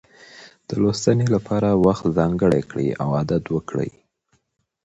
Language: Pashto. د لوستنې لپاره وخت ځانګړی کړئ او عادت وکړئ.